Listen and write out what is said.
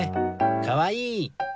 かわいい！